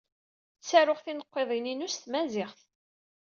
Ttaruɣ tinqiḍin-inu s tmaziɣt.